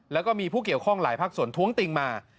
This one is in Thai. แล้วก็มีผู้เกี่ยวข้องหลายภาคส่วนท้วงติงมา